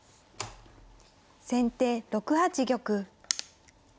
先手６八玉。